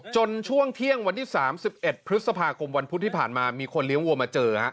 ช่วงเที่ยงวันที่๓๑พฤษภาคมวันพุธที่ผ่านมามีคนเลี้ยงวัวมาเจอ